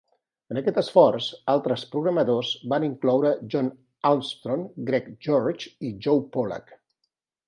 En aquest esforç, altres programadors van incloure John Ahlstrom, Greg George i Joe Polak.